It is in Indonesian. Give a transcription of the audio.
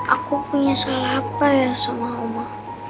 aku punya salah apa ya sama allah